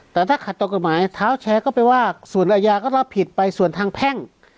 แต่ถ้าขัดต่อกฎหมายเท้าแชร์ก็ไปว่าส่วนอาญาก็รับผิดไปส่วนทางแพ่ง